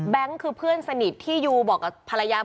แบงค์คือเพื่อนสนิทที่ยูบอกพลายา